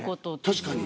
確かに。